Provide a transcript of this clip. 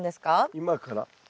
今から。